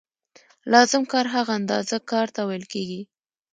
لازم کار هغه اندازه کار ته ویل کېږي